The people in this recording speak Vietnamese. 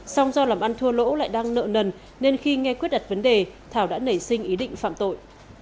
xong do làm ăn thua lỗ lại đang nợ nần nên khi nghe quyết đặt vấn đề thảo đã nảy sinh ý định phạm tội